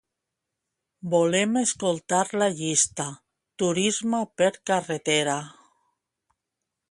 Volem escoltar la llista "turisme per carretera".